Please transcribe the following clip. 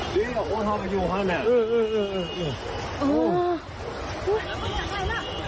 ดีเหรอพวกเขาไปอยู่ข้างแน่เออเออเออเออเออเออ